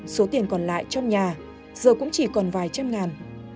số tiền còn lại trong nhà giờ cũng chỉ còn vài trăm ngàn